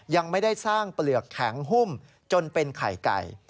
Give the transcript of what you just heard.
ยังไม่ได้สร้างเปลือกแข็งหุ้มจนเป็นไข่ไก่